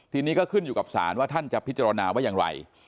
ทีนี้ก็ขึ้นอยู่กับศาลว่าท่านจะพิจารณาว่าอย่างไร